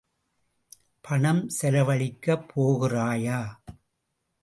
பணம் செலவழிக்கப் போகிறாயா?